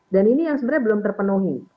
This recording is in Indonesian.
dan ini yang sebenarnya belum terpenuhi